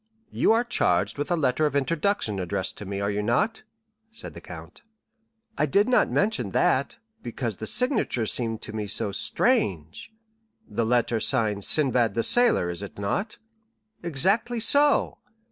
"You are charged with a letter of introduction addressed to me, are you not?" said the count. "I did not mention that, because the signature seemed to me so strange." "The letter signed 'Sinbad the Sailor,' is it not?" "Exactly so.